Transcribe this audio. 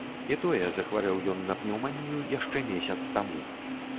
І тое захварэў ён на пнеўманію яшчэ месяц таму.